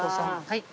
はい。